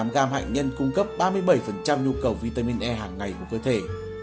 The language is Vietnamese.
hai mươi tám gram hạnh nhân cung cấp ba mươi bảy nhu cầu vitamin e hàng ngày của cơ thể